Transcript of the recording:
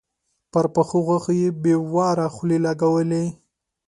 پر پخو غوښو يې بې واره خولې لګولې.